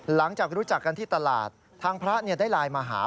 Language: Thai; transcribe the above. หลังจากรู้จักกันที่ตลาดทางพระได้ไลน์มาหา